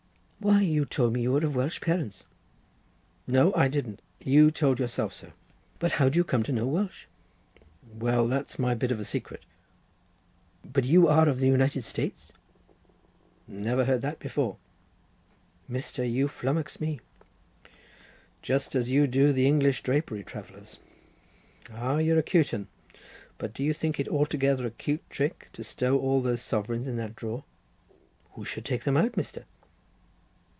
"Why, you told me you were of Welsh parents." "No, I didn't. You told yourself so." "But how did you come to know Welsh?" "Why, that's my bit of a secret." "But you are of the United States?" "Never knew that before." "Mr., you flummox me." "Just as you do the English drapery travellers. Ah, you're a cute un—but do you think it altogether a cute trick to stow all those sovereigns in that drawer?" "Who should take them out, Mr.?"